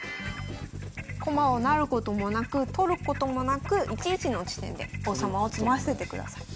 駒を成ることもなく取ることもなく１一の地点で王様を詰ませてください。